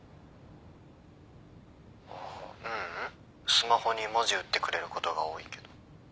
スマホに文字打ってくれることが多いけど。